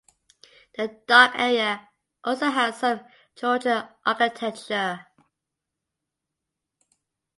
The Dock area also has some Georgian architecture.